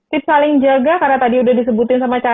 tips saling jaga karena tadi udah disebutin sama cara